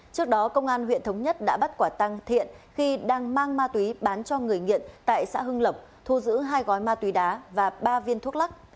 trước đó công an huyện thống nhất đã bắt quả tăng thiện khi đang mang ma túy bán cho người nghiện tại xã hưng lộc thu giữ hai gói ma túy đá và ba viên thuốc lắc